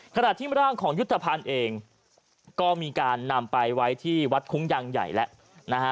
ขณะที่ร่างของยุทธภัณฑ์เองก็มีการนำไปไว้ที่วัดคุ้งยางใหญ่แล้วนะฮะ